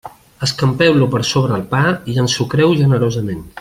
Escampeu-lo per sobre el pa i ensucreu-ho generosament.